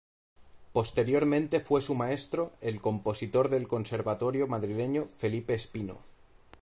Posteriormente fue su maestro el compositor del Conservatorio madrileño Felipe Espino.